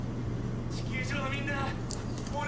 地球上のみんな俺に。